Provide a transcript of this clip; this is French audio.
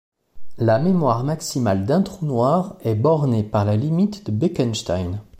La mémoire maximale d'un trou noir est bornée par la limite de Bekenstein.